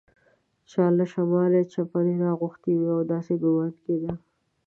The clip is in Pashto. چا له شماله چپنې راغوښتي وې او داسې ګومان کېده.